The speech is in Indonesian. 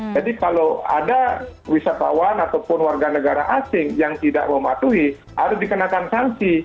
jadi kalau ada wisatawan ataupun warga negara asing yang tidak mematuhi harus dikenakan sanksi